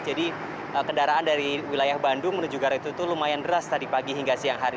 jadi kendaraan dari wilayah bandung menuju garut itu lumayan deras tadi pagi hingga siang hari